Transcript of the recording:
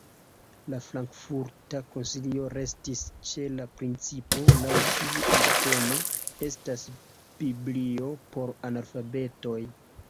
La Frankfurta koncilio restis ĉe la principo, laŭ kiu ikono estas "biblio por analfabetoj".